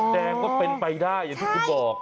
แสดงว่าเป็นไปได้อย่างที่คุณบอก